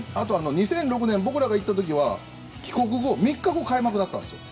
２００６年、僕らが行った時は帰国後３日後が開幕だったんです。